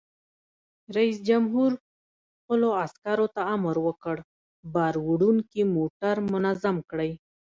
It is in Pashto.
رئیس جمهور خپلو عسکرو ته امر وکړ؛ بار وړونکي موټر منظم کړئ!